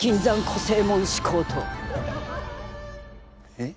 えっ？